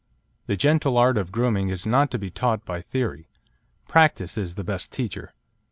The gentle art of grooming is not to be taught by theory. Practice is the best teacher.